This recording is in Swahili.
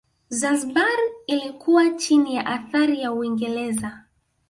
Zanzibar ilikuwa chini ya athari ya Uingereza